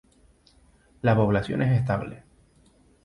La población es estable.